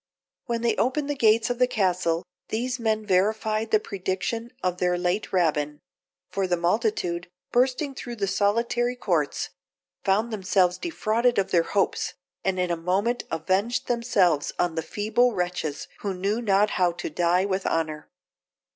When they opened the gates of the castle, these men verified the prediction of their late Rabbin; for the multitude, bursting through the solitary courts, found themselves defrauded of their hopes, and in a moment avenged themselves on the feeble wretches who knew not how to die with honour.